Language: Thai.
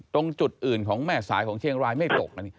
ตรงจุดอื่นของแม่สายของเชียงรายไม่ตก